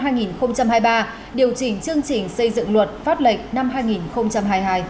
điều chỉnh chương trình xây dựng luật pháp lệnh năm hai nghìn hai mươi hai